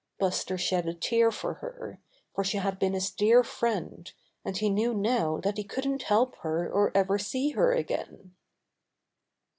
Buster shed a tear for her, for she had been his dear friend, and he knew now that he couldn't help her or ever see her again.